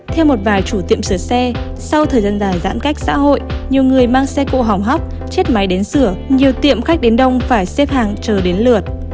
theo một vài chủ tiệm sửa xe sau thời gian dài giãn cách xã hội nhiều người mang xe cộ hỏng hóc chết máy đến sửa nhiều tiệm khách đến đông phải xếp hàng chờ đến lượt